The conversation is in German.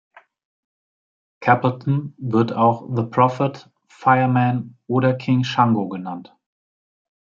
Capleton wird auch „the prophet“, „Fireman“ oder „king shango“ genannt.